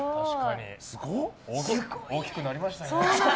大きくなりましたね。